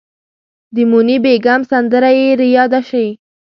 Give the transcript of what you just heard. د موني بیګم سندره یې ریاده شي.